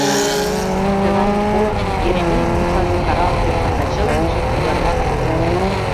Тыгайым колын, Еремейын умшаже каралте, да чылымже кӱварвак камвозо.